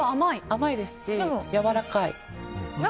甘いですし、やわらかい。